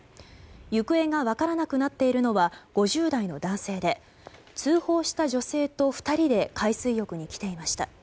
行方が分からなくなっているのは５０代の男性で通報した女性と２人で海水浴に来ていました。